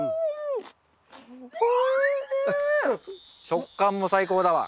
食感も最高だわ。